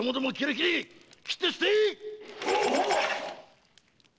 斬って捨てい‼